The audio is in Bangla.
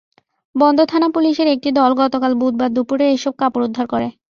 বন্দর থানা পুলিশের একটি দল গতকাল বুধবার দুপুরে এসব কাপড় উদ্ধার করে।